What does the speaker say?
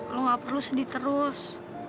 lo gak perlu sedih terus